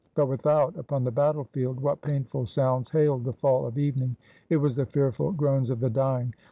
But without, upon the battle field, what painful sounds hailed the fall of evening? — it was the fearful groans of the dying!